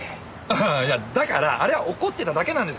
ああいやだからあれは怒ってただけなんです。